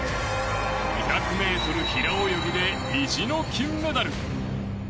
２００ｍ平泳ぎで意地の金メダル。